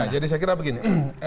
jadi saya kira begini